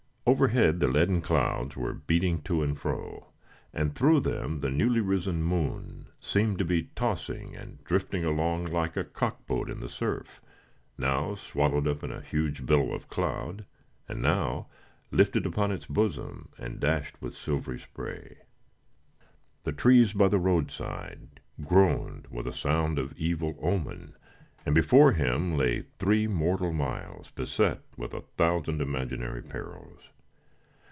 Overhead the leaden clouds were beating to and fro, and through them the newly risen moon seemed to be tossing and drifting along like a cock boat in the surf; now swallowed up in a huge billow of cloud, and now lifted upon its bosom and dashed with silvery spray. The trees by the roadside groaned with a sound of evil omen, and before him lay three mortal miles, beset with a thousand imaginary perils.